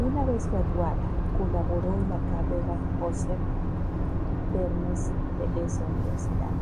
Una vez graduada, colaboró en la Cátedra Josep Termes de esa universidad.